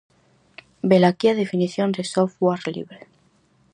Velaquí a definición de software libre.